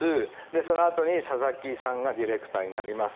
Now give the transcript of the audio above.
そのあとに佐々木さんがディレクターになります。